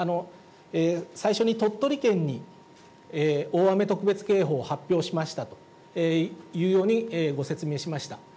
最初に鳥取県に大雨特別警報を発表しましたというようにご説明しました。